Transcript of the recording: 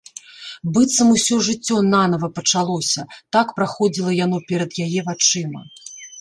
Быццам усё жыццё нанава пачалося, так праходзіла яно перад яе вачыма.